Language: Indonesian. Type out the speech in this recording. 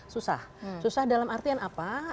susah susah dalam artian apa